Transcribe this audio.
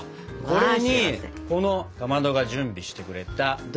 これにこのかまどが準備してくれた。